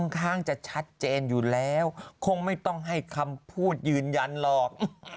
ข้างจะชัดเจนอยู่แล้วคงไม่ต้องให้คำพูดยืนยันหรอก